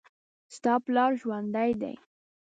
ستا پلار ژوندي دي